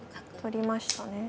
取りましたね。